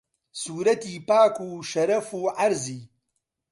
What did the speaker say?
سوورەتی پاک و شەرەف و عەرزی